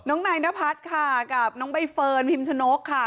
นายนพัฒน์ค่ะกับน้องใบเฟิร์นพิมชนกค่ะ